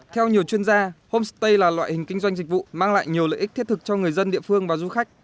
theo nhiều chuyên gia homestay là loại hình kinh doanh dịch vụ mang lại nhiều lợi ích thiết thực cho người dân địa phương và du khách